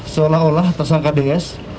seolah olah tersangka ds